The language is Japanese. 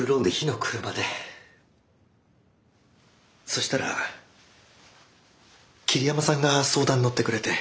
そしたら桐山さんが相談に乗ってくれて。